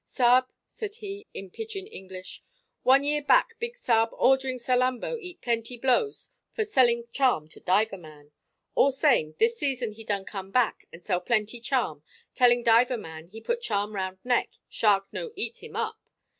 "Sab." said he in pigeon English, "one year back big sa'b ordering Salambo eat plenty blows for selling charm to diver man. All same, this season he done come back and sell plenty charm, telling diver man he put charm round neck, shark no eat him up.